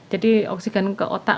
jadi oksigen ke otak